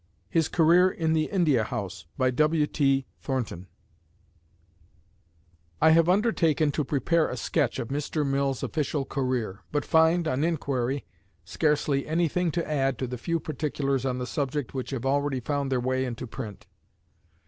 HIS CAREER IN THE INDIA HOUSE I have undertaken to prepare a sketch of Mr. Mill's official career, but find, on inquiry, scarcely any thing to add to the few particulars on the subject which have already found their way into print.